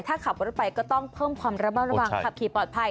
ถ้าขับรถไปก็ต้องเพิ่มความระมัดระวังขับขี่ปลอดภัย